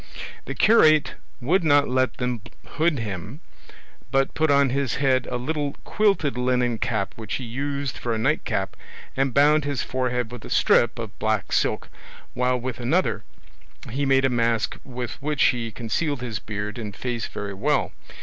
The curate would not let them hood him, but put on his head a little quilted linen cap which he used for a night cap, and bound his forehead with a strip of black silk, while with another he made a mask with which he concealed his beard and face very well.